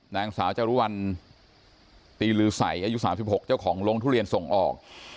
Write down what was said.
นางสาวจรุวัลตีลือใสอายุ๓๖เจ้าของโรงทุเรียนส่งออก